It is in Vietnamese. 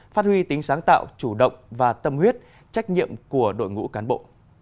phát huy tính sáng tạo chủ động và tâm huyết trách nhiệm của đội ngũ cán bộ